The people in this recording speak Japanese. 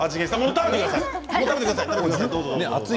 食べてください。